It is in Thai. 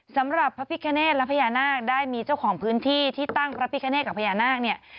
สำหรับพระพิคเนธและพญานาคได้มีเจ้าของพื้นที่ที่ตั้งพระพิคเนตกับพญานาคเนี่ย